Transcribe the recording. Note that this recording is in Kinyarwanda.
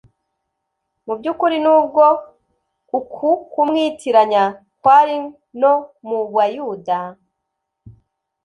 Mu by’ukuri nubwo uku kumwitiranya kwari no mu Bayuda